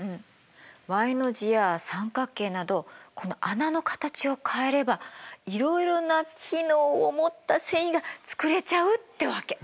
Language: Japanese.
Ｙの字や三角形などこの穴の形を変えればいろいろな機能を持った繊維が作れちゃうってわけ！